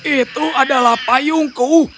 itu adalah payungku